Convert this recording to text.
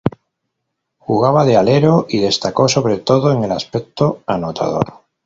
Jugaba de alero, y destacó sobre todo en el aspecto anotador.